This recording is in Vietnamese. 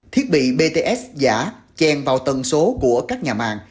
thiết bị bts giả chèn vào tầng số của các nhà mạng